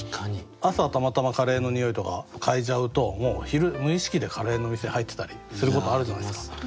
朝たまたまカレーのにおいとか嗅いじゃうともう昼無意識でカレーの店入ってたりすることあるじゃないですか。